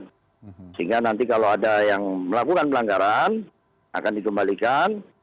sehingga nanti kalau ada yang melakukan pelanggaran akan dikembalikan